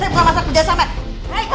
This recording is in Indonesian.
saya bukan masalah kerjasamannya